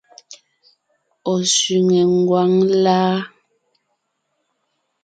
Ɔ̀ sẅiŋe ngwáŋ láa?